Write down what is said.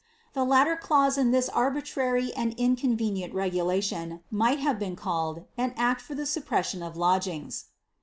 The latter clause in this arbitrary and inconvenient regulation might h»M been called, an act for the suppression of lodgings.